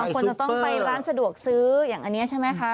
คนจะต้องไปร้านสะดวกซื้ออย่างอันนี้ใช่ไหมคะ